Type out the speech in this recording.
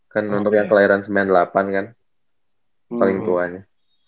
kan untuk yang kelahiran sembilan puluh delapan kan paling tuanya